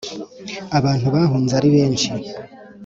Abantu bahunze ari benshi